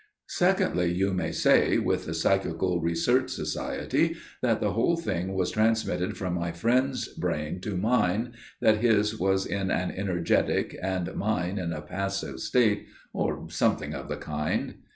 "Secondly, you may say, with the Psychical Research Society, that the whole thing was transmitted from my friend's brain to mine; that his was in an energetic, and mine in a passive state, or something of the kind.